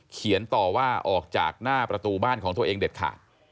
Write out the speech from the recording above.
เขียนต่อว่าออกจากหน้าประตูบ้านของตัวเองเด็ดขาด